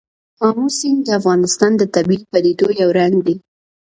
آمو سیند د افغانستان د طبیعي پدیدو یو رنګ دی.